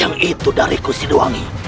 aku tidak peduli